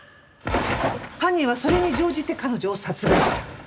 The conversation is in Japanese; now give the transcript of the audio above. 犯人はそれに乗じて彼女を殺害した。